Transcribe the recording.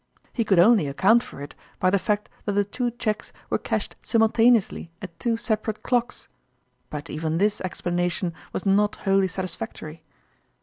He could only account for it by the fact that the two cheques were cashed simul taneously at two separate clocks ; but even this explanation was not wholly satisfactory.